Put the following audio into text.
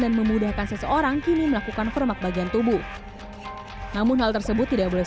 dan memudahkan seseorang kini melakukan kermak bagian tubuh namun hal tersebut tidak boleh